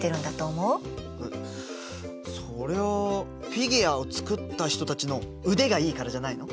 えっそりゃあフィギュアを作った人たちの腕がいいからじゃないの？